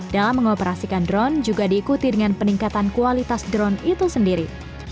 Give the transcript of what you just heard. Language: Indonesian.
dalam mengoperasikan drone juga diikuti dengan peningkatan kualitas drone itu sendiri